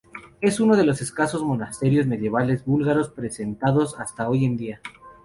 Es uno de los escasos monasterios medievales búlgaros preservados hasta hoy en día.